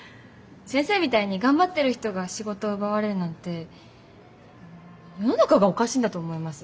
先生みたいに頑張ってる人が仕事を奪われるなんて世の中がおかしいんだと思います。